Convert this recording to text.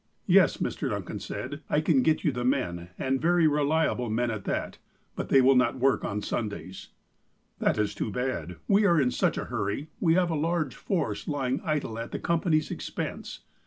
''Yes," Mr. Duncan said. "I can get you the men, and very reliable men at that, but they will not work Sundays." ■" That is too bad. We are in such a hurry. We have a large force lying idle at the Company's expense.